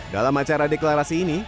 dalam acara deklarasi ini